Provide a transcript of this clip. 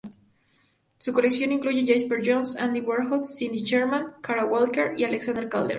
Su colección incluye Jasper Johns, Andy Warhol, Cindy Sherman, Kara Walker y Alexander Calder.